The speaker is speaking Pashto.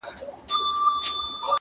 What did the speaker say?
ستا لپاره بلېدمه ستا لپاره لمبه خورمه -